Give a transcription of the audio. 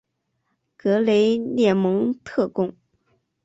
格雷涅蒙特贡。